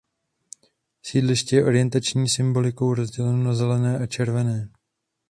Sídliště je orientační symbolikou rozděleno na „zelené“ a „červené“.